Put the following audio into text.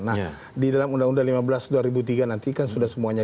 nah di dalam undang undang lima belas dua ribu tiga nanti kan sudah semuanya